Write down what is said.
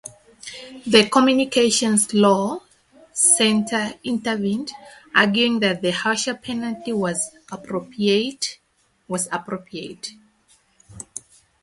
The Communications Law Centre intervened, arguing that a harsher penalty was appropriate.